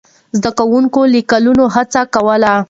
زده کوونکي له کلونو هڅه کوله.